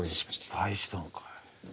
失敗したんかい。